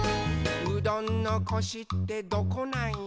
「うどんのコシってどこなんよ？」